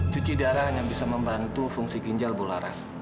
cuci darah yang bisa membantu fungsi ginjal bularas